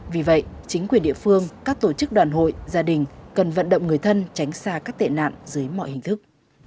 vì vậy chính quyền địa phương các tổ chức đoàn hội gia đình cần vận động người thân tránh xa các tệ nạn dưới mọi hình thức